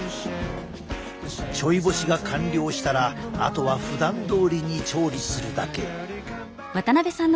ちょい干しが完了したらあとはふだんどおりに調理するだけ。